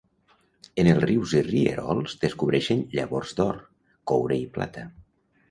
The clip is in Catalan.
En els rius i rierols descobreixen llavors d'or, coure i plata.